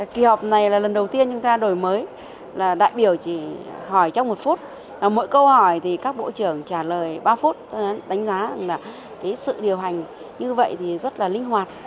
kỳ họp này là lần đầu tiên chúng ta đổi mới đại biểu chỉ hỏi trong một phút mỗi câu hỏi các bộ trưởng trả lời ba phút đánh giá sự điều hành như vậy rất linh hoạt